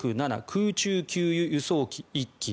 空中給油輸送機１機。